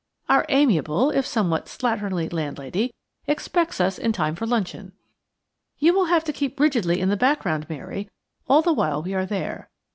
Our amiable, if somewhat slatternly, landlady expects us in time for luncheon. You will have to keep rigidly in the background, Mary, all the while we are there.